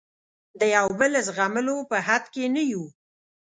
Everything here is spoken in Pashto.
د یو بل زغملو په حد کې نه یو.